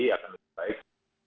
akan lebih baik